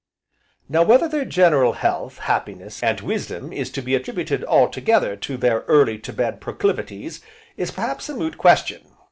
Now whether their general health, happiness, and wisdom is to be attributed altogether to their early to bed proclivities, is perhaps a moot question.